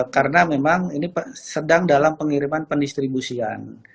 karena memang ini sedang dalam pengiriman pendistribusian